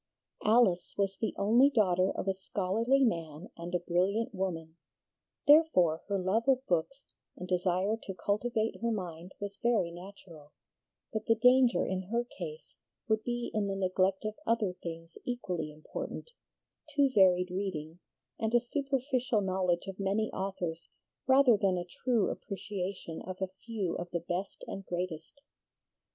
Alice was the only daughter of a scholarly man and a brilliant woman; therefore her love of books and desire to cultivate her mind was very natural, but the danger in her case would be in the neglect of other things equally important, too varied reading, and a superficial knowledge of many authors rather than a true appreciation of a few of the best and greatest.